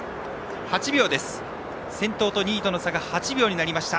先頭と２位との差が８秒になりました。